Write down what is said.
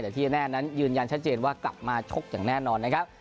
แต่ที่แน่นั้นยืนยันชัดเจนว่ากลับมาชกอย่างแน่นอนนะครับ